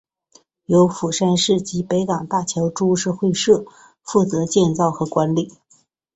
由釜山市及北港大桥株式会社负责建造和管理。